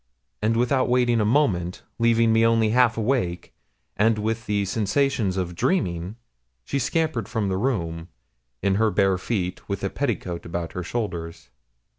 And without waiting a moment, leaving me only half awake, and with the sensations of dreaming, she scampered from the room, in her bare feet, with a petticoat about her shoulders.